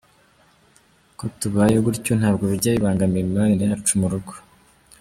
Uko tubayeho gutyo ntabwo bijya bibangamira imibanire yacu mu rugo.